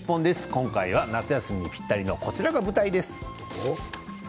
今回は夏休みにぴったりのこちらが舞台です。